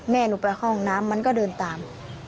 แม่หนูไปเข้าห้องน้ำมันก็เดินตาม